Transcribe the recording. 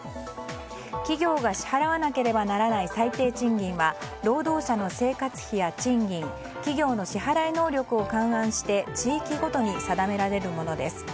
企業が支払わなければならない最低賃金は労働者の生活費や賃金企業の支払い能力を勘案して地域ごとに定められるものです。